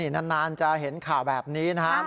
นานจะเห็นข่าวแบบนี้นะครับ